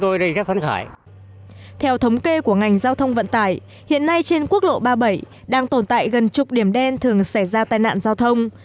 theo thống kê của ngành giao thông vận tải hiện nay trên quốc lộ ba mươi bảy đang tồn tại gần chục điểm đen thường xảy ra tai nạn giao thông